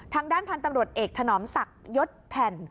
ทางด้านพันธุ์ตำรวจเอกถนอมศักดิ์ยศแผ่น